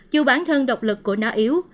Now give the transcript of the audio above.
dù bản thân độc lực của nó yếu